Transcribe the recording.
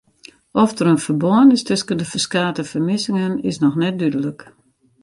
Oft der in ferbân is tusken de ferskate fermissingen is noch net dúdlik.